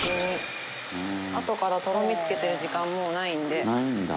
あとからとろみつけてる時間もうないんで。